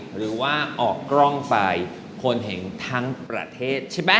หรือว่าออกกล้องไปคนเห็นทั้งประเทศใช่ไหม